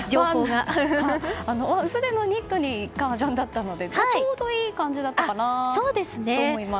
薄手のニットに革ジャンだったのでちょうどいい感じだったかなと思います。